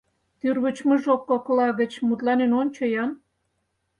— Тӱрвычмыж кокла гыч мутланен ончо-ян...